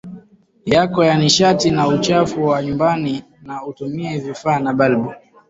yako ya nishati na uchafu wa nyumbani na utumie vifaa na balbu